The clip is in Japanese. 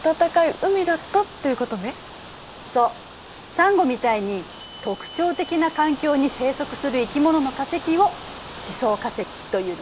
サンゴみたいに特徴的な環境に生息する生き物の化石を示相化石というのよ。